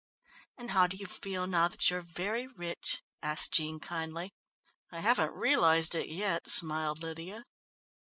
"And how do you feel now that you're very rich?" asked Jean kindly. "I haven't realised it yet," smiled Lydia.